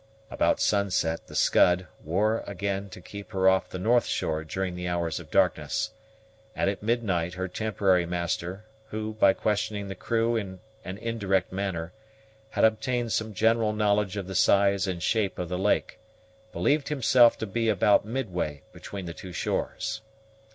About sunset the Scud wore again to keep her off the north shore during the hours of darkness; and at midnight her temporary master, who, by questioning the crew in an indirect manner, had obtained some general knowledge of the size and shape of the lake, believed himself to be about midway between the two shores.